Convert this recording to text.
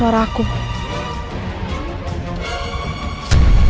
karena hanya orang itu yang bisa mendengar itu